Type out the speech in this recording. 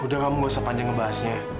udah kamu gak usah panjang ngebahasnya